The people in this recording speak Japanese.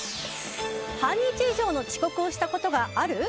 半日以上の遅刻をしたことがある？